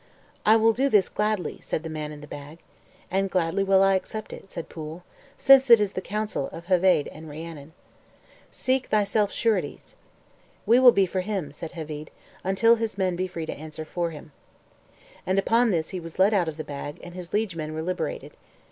"I will do this gladly," said the man in the bag. "And gladly will I accept it," said Pwyll, "since it is the counsel of Heveydd and Rhiannon. Seek thyself sureties." "We will be for him," said Heveydd, "until his men be free to answer for him." And upon this he was let out of the bag, and his liegemen were liberated.